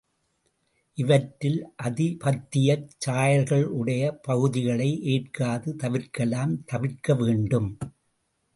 இவற்றில் ஆதிபத்தியச் சாயல்கள் உடைய பகுதிகளை ஏற்காது தவிர்க்கலாம் தவிர்க்க வேண்டும்.